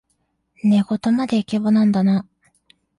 寝言までイケボなんだな